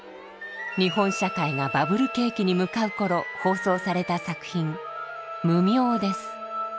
日本社会がバブル景気に向かう頃放送された作品「無明」です。